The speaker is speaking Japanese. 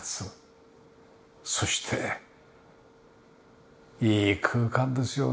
そしていい空間ですよね。